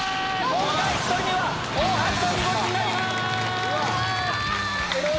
今回１人目は大橋さんにゴチになります！